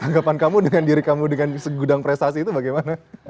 anggapan kamu dengan diri kamu dengan segudang prestasi itu bagaimana